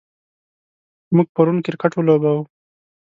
موږ پرون کرکټ ولوباوه.